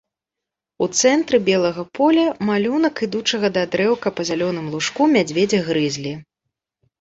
У цэнтры белага поля малюнак ідучага да дрэўка па зялёным лужку мядзведзя грызлі.